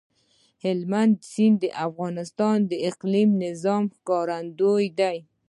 هلمند سیند د افغانستان د اقلیمي نظام ښکارندوی ده.